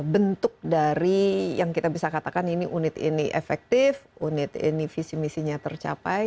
bentuk dari yang kita bisa katakan ini unit ini efektif unit ini visi misinya tercapai